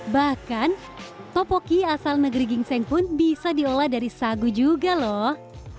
bahkan topoki asal negeri gingseng pun bisa diolah dari sagu juga loh